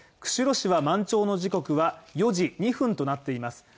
釧路市は満潮の時刻は４時２分となっています。